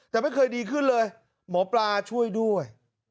แต่ไม่เคยดีขึ้นเลยหมอปลาช่วยด้วย